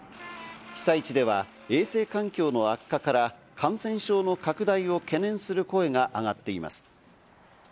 被災地では衛生環境の悪化から感染症の拡大を懸念する声があがっています。